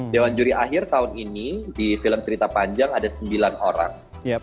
dewan juri akhir tahun ini di film cerita panjang ada sembilan orang